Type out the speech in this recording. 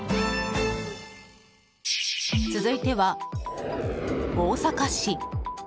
続いては、大阪市。